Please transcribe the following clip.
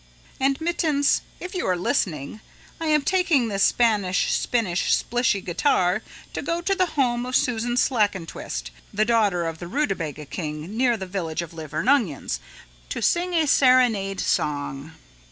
"And, mittens, if you are listening, I am taking this Spanish Spinnish Splishy guitar to go to the home of Susan Slackentwist, the daughter of the rutabaga king near the Village of Liver and Onions, to sing a serenade song."